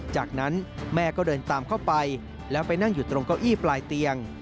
จากนั้นแม่ก็เดินตามเข้าไปแล้วไปนั่งอยู่ตรงเก้าอี้ปลายเตียง